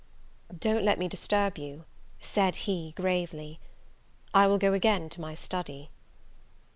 "Don't let me disturb you," said he, gravely; "I will go again to my study."